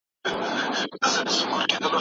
عمر بن خطاب په ډېرې نېکۍ سره د یتیمانو پالنه کوله.